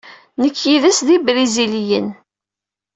Nekk yid-s d Ibriziliyen.